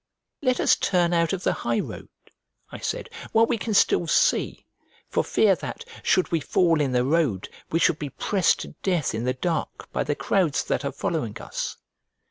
"Let us turn out of the high road," I said, "while we can still see, for fear that, should we fall in the road, we should be pressed to death in the dark, by the crowds that are following us."